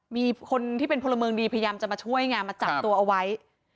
มีคนที่เป็นพลเมืองดีพยายามจะมาช่วยไงมาจับตัวเอาไว้